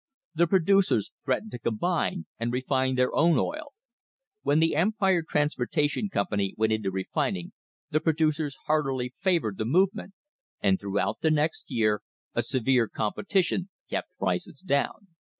The producers threatened to combine and refine their own oil. When the Empire Transportation Company went into refining the pro ducers heartily favoured the movement, and throughout the next year a severe competition kept prices down.